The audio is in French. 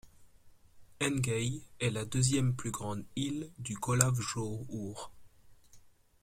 Engey est la deuxième plus grande île du Kollafjörður.